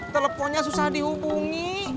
teleponnya susah dihubungi